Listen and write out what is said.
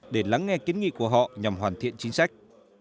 để lắng nghe kiến nghị của họ nhằm hoàn thiện chính sách